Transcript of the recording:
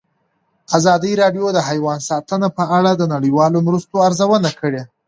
ازادي راډیو د حیوان ساتنه په اړه د نړیوالو مرستو ارزونه کړې.